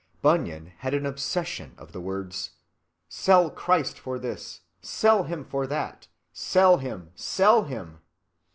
Bunyan had an obsession of the words, "Sell Christ for this, sell him for that, sell him, sell him!"